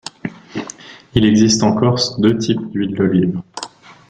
Il existe en Corse deux types d'huiles d'olive.